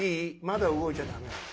まだ動いちゃダメなのよ。